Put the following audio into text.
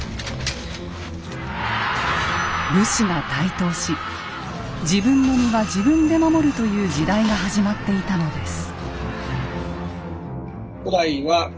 武士が台頭し自分の身は自分で守るという時代が始まっていたのです。